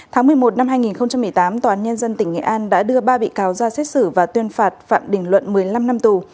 tháng một mươi một năm hai nghìn một mươi tám tòa án nhân dân tỉnh nghệ an đã đưa ba bị cáo ra xét xử và tuyên phạt phạm đình luận một mươi năm năm tù